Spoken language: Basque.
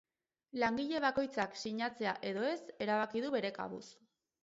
Langile bakoitzak sinatzea edo ez erabaki du bere kabuz.